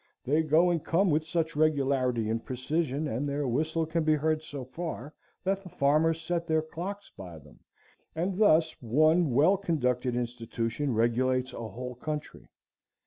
They go and come with such regularity and precision, and their whistle can be heard so far, that the farmers set their clocks by them, and thus one well conducted institution regulates a whole country.